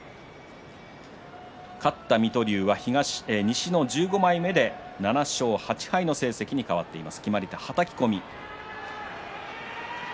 勝った水戸龍は西の１５枚目で７勝８敗の成績に変わっています。